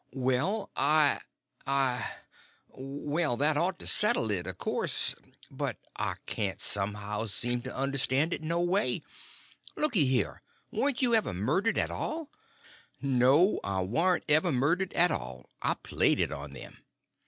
"Well—I—I—well, that ought to settle it, of course; but I can't somehow seem to understand it no way. Looky here, warn't you ever murdered at all?" "No. I warn't ever murdered at all—I played it on them.